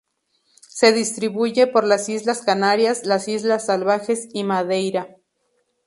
Se distribuye por las islas Canarias, las islas Salvajes y Madeira.